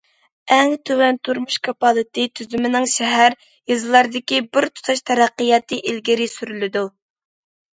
ئەڭ تۆۋەن تۇرمۇش كاپالىتى تۈزۈمىنىڭ شەھەر، يېزىلاردىكى بىر تۇتاش تەرەققىياتى ئىلگىرى سۈرۈلىدۇ.